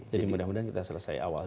jadi mudah mudahan kita selesai awal